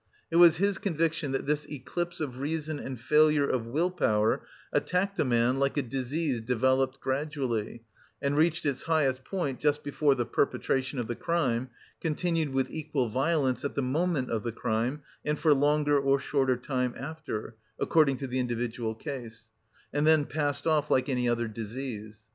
It was his conviction that this eclipse of reason and failure of will power attacked a man like a disease, developed gradually and reached its highest point just before the perpetration of the crime, continued with equal violence at the moment of the crime and for longer or shorter time after, according to the individual case, and then passed off like any other disease.